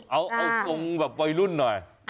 เอาทรงแบบวัยรุ่นหน่อย